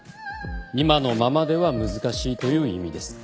今のままでは難しいという意味です。